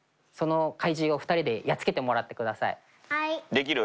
できる？